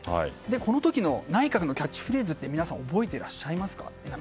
この時の内閣のキャッチフレーズって覚えていらっしゃいますか？